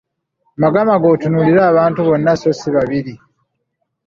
Magamaga otunuulire abantu bonna so si babiri.